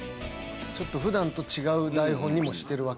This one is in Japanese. ちょっとふだんと違う台本にもしてるわけや。